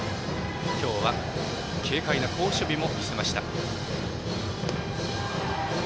今日は軽快な好守備も見せました。